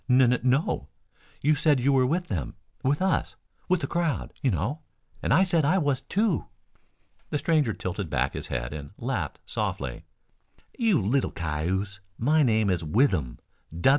"N n no. You said you were with them with us with the crowd, you know. And I said I was too." The stranger tilted back his head and laughed softly. "You little cayuse, my name is Withem.